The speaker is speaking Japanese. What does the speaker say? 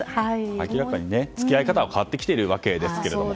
明らかに、付き合い方は変わってきているわけですけども。